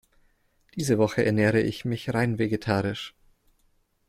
Diese Woche ernähre ich mich rein vegetarisch.